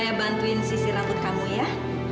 saya bantuin sisi rambut kamu ya